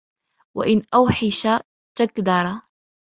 وَإِنْ أُوحِشَ تَكْدَرَ